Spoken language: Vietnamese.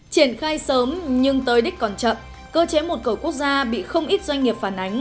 triển khai sớm nhưng tới đích còn chậm cơ chế một cửa quốc gia bị không ít doanh nghiệp phản ánh